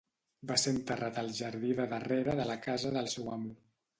Va ser enterrat al jardí de darrere de la casa del seu amo.